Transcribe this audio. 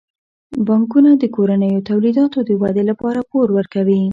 بانکونه د کورنیو تولیداتو د ودې لپاره پور ورکوي.